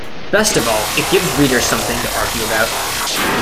Best of all, it gives readers something to argue about.